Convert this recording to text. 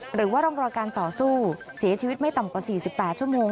หรือว่าร่องรอยการต่อสู้เสียชีวิตไม่ต่ำกว่า๔๘ชั่วโมง